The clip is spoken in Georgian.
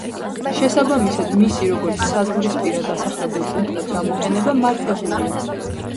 შესაბამისად მისი, როგორც საზღვრისპირა დასახლებულ პუნქტად გამოყენება მართებულია.